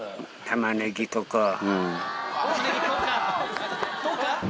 玉ねぎとか？とか？